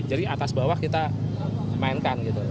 jadi atas bawah kita mainkan